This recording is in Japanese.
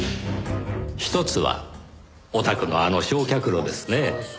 ひとつはお宅のあの焼却炉ですねぇ。